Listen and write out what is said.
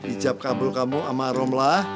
ijab kabel kamu sama arom lah